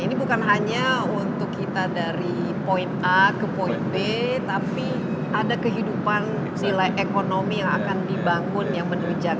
ini bukan hanya untuk kita dari poin a ke poin b tapi ada kehidupan nilai ekonomi yang akan dibangun yang menunjang